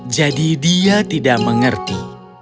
jadi dia tidak mengerti